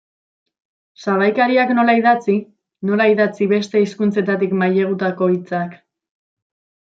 Sabaikariak nola idatzi, nola idatzi beste hizkuntzetatik mailegatutako hitzak...